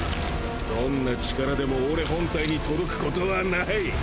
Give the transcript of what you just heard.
どんな力でも俺本体に届くことはない。